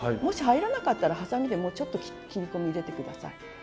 もし入らなかったらはさみでもうちょっと切り込み入れて下さい。